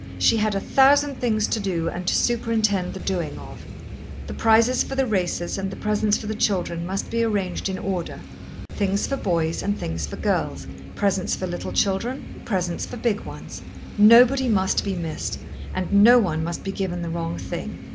She had a thousand things to do and to superintend the doing of. The prizes for the races and the presents for the children must be arranged in order: things for boys and things for girls, presents for little children and presents for big ones. Nobody must be missed, and no one must be given the wrong thing.